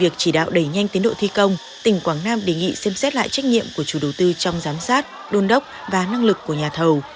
tỉnh quảng nam đề nghị xem xét lại trách nhiệm của chủ đầu tư trong giám sát đôn đốc và năng lực của nhà thầu